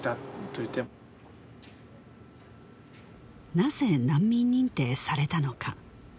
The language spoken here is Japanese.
なぜ難民認定されたのか？